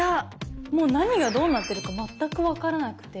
何がどうなってるか全く分からなくて。